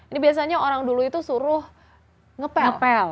ini biasanya orang dulu itu suruh ngepel pel